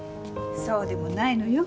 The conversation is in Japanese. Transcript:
そうでもないのよ。